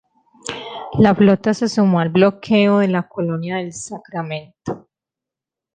La flota se sumó al bloqueo de la Colonia del Sacramento.